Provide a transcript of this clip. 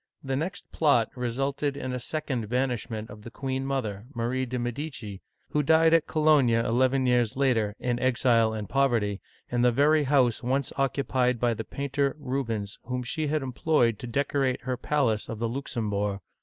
The next plot resulted in a second banishment of the queen mother, Marie de' Medici, who died at Cologne eleven years later, in exile and poverty, in the very house once occupied by the painter, Rubens, whom she had employed to decorate her palace of the Luxembourg (liik saN boor').